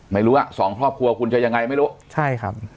ไม่รู้ว่าสองครอบครัวคุณจะยังไงไม่รู้ใช่ครับ